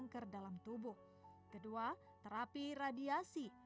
kedua terapi radiasi